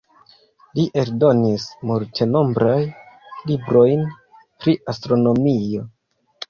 Li eldonis multenombraj librojn pri astronomio.